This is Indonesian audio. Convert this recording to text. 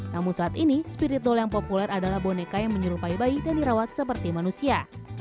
namun saat ini spirit doll yang populer adalah boneka yang menyerupai bayi dan dirawat seperti manusia